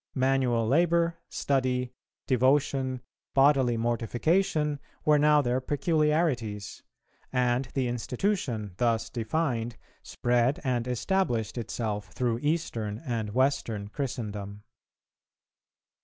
Manual labour, study, devotion, bodily mortification, were now their peculiarities; and the institution, thus defined, spread and established itself through Eastern and Western Christendom.